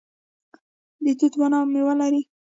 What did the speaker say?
د توت ونه میوه لري